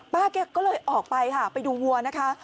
แกก็เลยออกไปค่ะไปดูวัวนะคะ